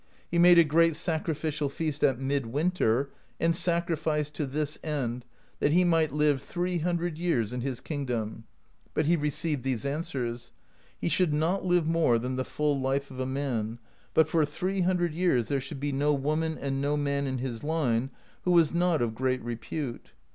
He made a great sacrificial feast at mid winter, and sacrificed to this end, that he might live three hundred years in his kingdom; but he received these answers : he should not live more than the full life of a man, but for three hundred years there should be no woman and no man in his line who was not of great repute.